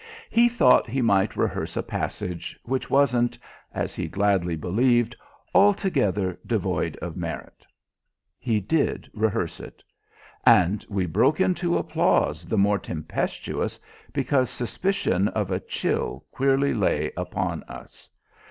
... He thought he might rehearse a passage, which wasn't as he gladly believed altogether devoid of merit. He did rehearse it. And we broke into applause the more tempestuous because suspicion of a chill queerly lay upon us.